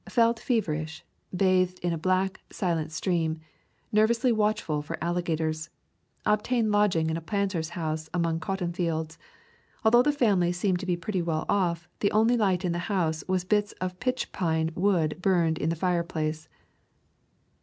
Felt fever ish; bathed in a black, silent stream; nervously watchful for alligators. Obtained lodging in a planter's house among cotton fields. Although the family seemed to be pretty well off, the only light in the house was bits of pitch pine wood burned in the fireplace.